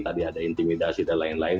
tadi ada intimidasi dan lain lain